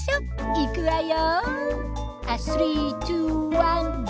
いくわよ。